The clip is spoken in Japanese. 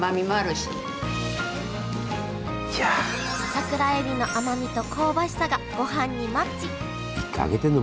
桜えびの甘みと香ばしさがごはんにマッチ！